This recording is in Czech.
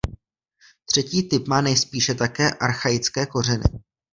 Třetí typ má nejspíše také archaické kořeny.